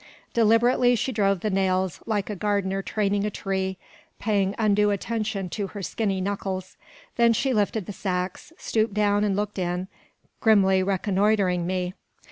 Deliberately she drove the nails, like a gardener training a tree, paying undue attention to her skinny knuckles; then she lifted the sacks, stooped down and looked in, grimly reconnoitring me.